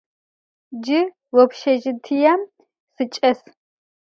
Cı vobşêjjitiêm sıçç'es.